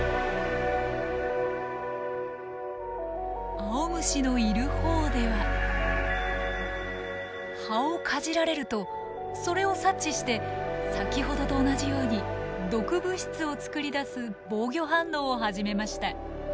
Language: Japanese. アオムシのいる方では葉をかじられるとそれを察知して先ほどと同じように毒物質を作り出す防御反応を始めました。